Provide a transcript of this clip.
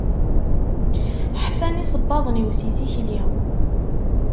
Ḥfan yisebbaḍen-iw si tikli.